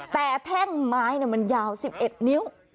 แต่แท่งไม้มันยาว๑๑นิ้ว